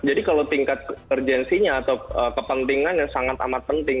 jadi kalau tingkat urgensinya atau kepentingannya sangat amat penting